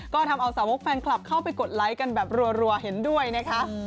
ก็ทำเอาสาวกแฟนคลับเข้าไปกดไลค์กันแบบรัวเห็นด้วยนะคะ